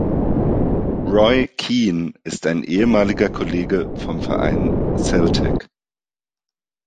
Roy Keane ist ein ehemaliger Kollege vom Verein Celtic.